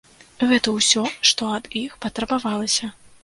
Гэта ўсё, што ад іх патрабавалася.